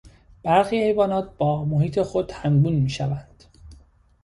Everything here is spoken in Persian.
برخی حیوانات با محیط خود همگون میشوند.